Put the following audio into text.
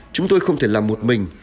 chúng tôi không thể làm một mình